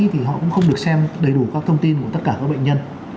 thì họ cũng không được xem đầy đủ các thông tin của tất cả các bệnh nhân